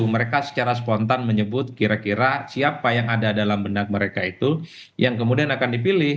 mereka secara spontan menyebut kira kira siapa yang ada dalam benak mereka itu yang kemudian akan dipilih